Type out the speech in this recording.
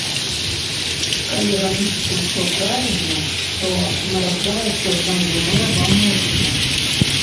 Калі рабіць усё правільна, то нараджаецца знаёмая вам музыка.